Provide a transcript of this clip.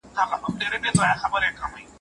نښې په وخت وڅارئ.